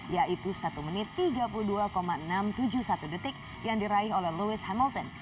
yaitu satu menit tiga puluh dua enam ratus tujuh puluh satu detik yang diraih oleh louis hamelton